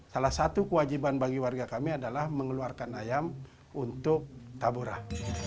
salah satu kewajiban bagi warga kami adalah mengeluarkan ayam untuk taburan